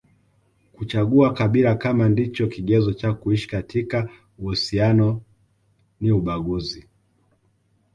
Kuchagua kabila kama ndicho kigezo cha kuishi katika uhusiano ni ubaguzi